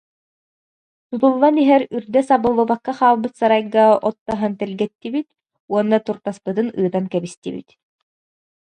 Тутуллан иһэн үрдэ сабыллыбакка хаалбыт сарайга от таһан тэлгэттибит уонна туртаспытын ыытан кэбистибит